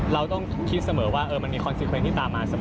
เราต้องคิดเสมอว่ามันมีคอนซิตเพลงที่ตามมาเสมอ